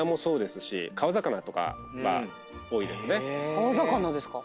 川魚ですか。